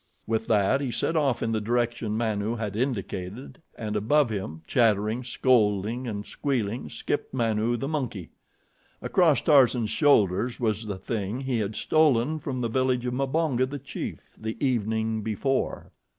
With that he set off in the direction Manu had indicated and above him, chattering, scolding and squealing, skipped Manu, the monkey. Across Tarzan's shoulders was the thing he had stolen from the village of Mbonga, the chief, the evening before.